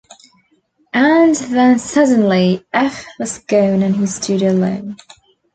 And then suddenly F. was gone and he stood alone.